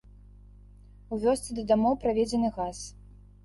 У вёсцы да дамоў праведзены газ.